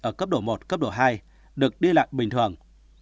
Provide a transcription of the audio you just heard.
ở cấp độ một cấp độ hai được đi lại bình thường